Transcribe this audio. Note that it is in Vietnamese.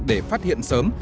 để phát hiện sớm